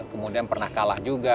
kemudian pernah kalah juga